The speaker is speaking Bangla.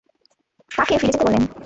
তাকে ফিরে যেতে বলেন।